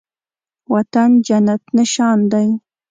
وطن جنت نشان دی